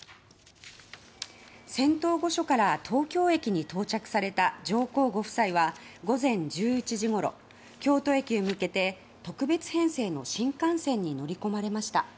仙洞御所から東京駅に到着された上皇ご夫妻は午前１１時ごろ京都駅を向けて特別編成の新幹線に乗り込まれました。